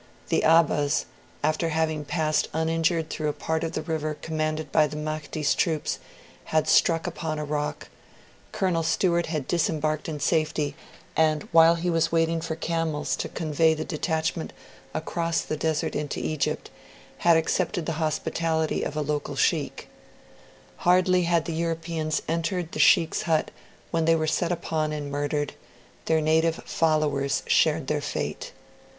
The Abbas, after having passed uninjured through the part of the river commanded by the Mahdi's troops, had struck upon a rock; Colonel Stewart had disembarked in safety; and, while he was waiting for camels to convey the detachment across the desert into Egypt, had accepted the hospitality of a local Sheikh. Hardly had the Europeans entered the Sheikh's hut when they were set upon and murdered; their native followers shared their fate.